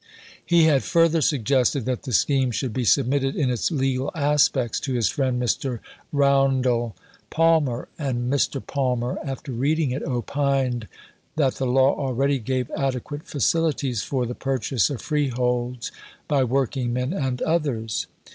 He had further suggested that the scheme should be submitted, in its legal aspects, to his friend Mr. Roundell Palmer, and Mr. Palmer, after reading it, opined that the law already gave adequate facilities for the purchase of freeholds by working men and others.